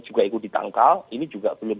juga ikut ditangkal ini juga belum